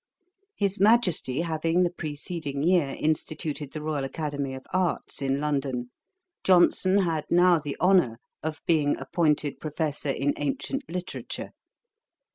His Majesty having the preceding year instituted the Royal Academy of Arts in London, Johnson had now the honour of being appointed Professor in Ancient Literature.